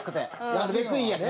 なるべくいいやつ。